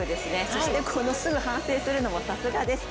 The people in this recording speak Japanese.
そして、このすぐ反省するのもさすがです。